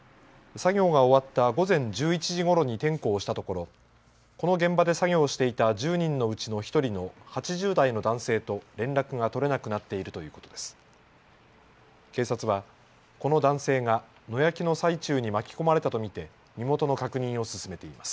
作業が終わった午前１１時ごろに点呼をしたところ、この現場で作業していた１０人のうちの１人の８０代の男性と連絡が取れなくなっているということです。